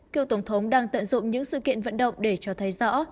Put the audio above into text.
cựu tổng thống đang tận dụng những sự kiện vận động để cho thấy rõ